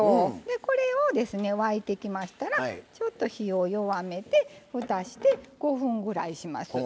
これを沸いてきましたらちょっと火を弱めてふたして５分ぐらいします。